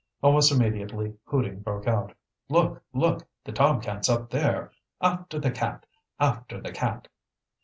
Almost immediately hooting broke out: "Look! look! The tom cat's up there! After the cat! after the cat!"